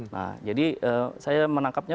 nah jadi saya menangkapnya